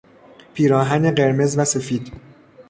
پیراهن قرمز وسفید